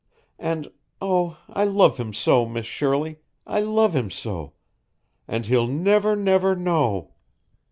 And oh, I love him so, Miss Shirley, I love him so and he'll never, never know.